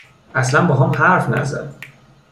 اصلا باهام حرف نزد